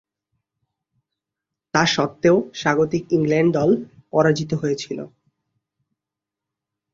তাস্বত্ত্বেও স্বাগতিক ইংল্যান্ড দল পরাজিত হয়েছিল।